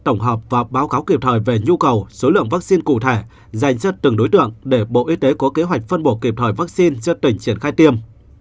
tổng hợp và báo cáo kịp thời về nhu cầu số lượng vaccine cụ thể dành cho từng đối tượng để bộ y tế có kế hoạch phân bổ kịp thời vaccine cho tỉnh triển khai tiêm